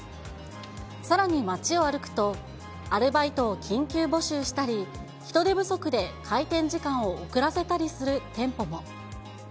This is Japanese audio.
さらに街を歩くと、アルバイトを緊急募集したり、人手不足で開店時間を遅らせたりする店舗も。